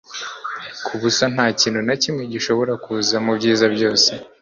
Kubusa ntakintu na kimwe gishobora kuza mubyiza byose